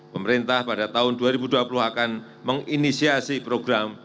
pemerintah pada tahun dua ribu dua puluh akan menginisiasi program